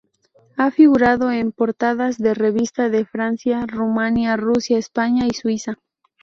Ha figurado en portadas de revista de Francia, Rumanía, Rusia, España y Suiza.